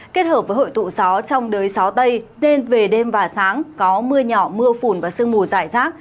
kết hợp với hội tụ gió trong đới gió tây nên về đêm và sáng có mưa nhỏ mưa phùn và sương mù dài rác